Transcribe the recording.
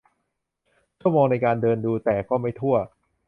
ชั่วโมงในการเดินดูแต่ก็ไม่ทั่ว